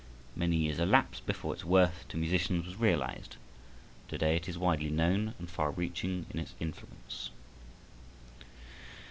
Many years elapsed before its worth to musicians was realized. To day it is widely known and far reaching in its influence.